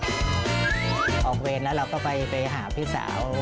ออกเวรแล้วเราก็ไปหาพี่สาว